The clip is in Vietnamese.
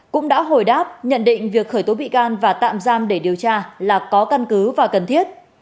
cũng đã hồi đáp nhận định việc khởi tố bị can và tạm giam để điều tra là có căn cứ và cần thiết